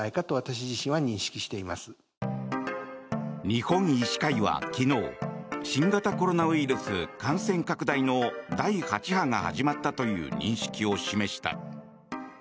日本医師会は昨日新型コロナウイルス感染拡大の第８波が始まったという認識を示した。